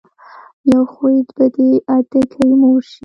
يو خوي به دې ادکې مور شي.